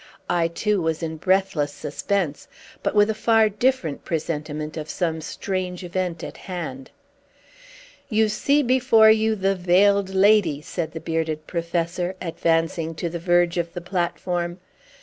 I, too, was in breathless suspense, but with a far different presentiment of some strange event at hand. "You see before you the Veiled Lady," said the bearded Professor, advancing to the verge of the platform.